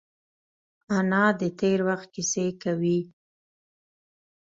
انا د تېر وخت کیسې کوي